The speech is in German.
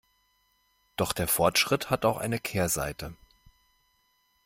Doch der Fortschritt hat auch eine Kehrseite.